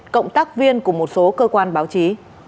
cộng tác viên của một số cơ quan báo chí